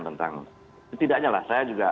tentang itu tidaknya lah saya juga